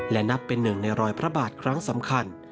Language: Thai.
และนับเป็นหนึ่งในรอยพระบาทครั้งสำคัญ